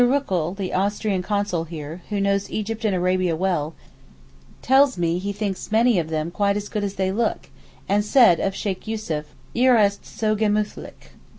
Ruchl, the Austrian Consul here, who knows Egypt and Arabia well, tells me that he thinks many of them quite as good as they look, and said of Sheykh Yussuf, Er ist so gemüthlich.